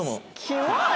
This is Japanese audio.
キモい！